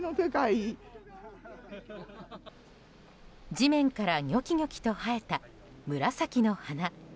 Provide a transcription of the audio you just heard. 地面からニョキニョキと生えた紫の花。